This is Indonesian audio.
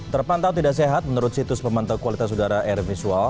terpantau tidak sehat menurut situs pemantau kualitas udara air visual